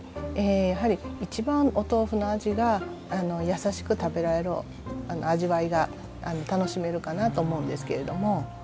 やはり一番お豆腐の味が優しく食べられる味わいが楽しめるかなと思うんですけれども。